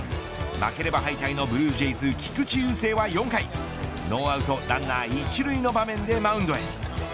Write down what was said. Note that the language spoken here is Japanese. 負ければ敗退のブルージェイズ菊池雄星は４回ノーアウトランナー１塁の場面でマウンドへ。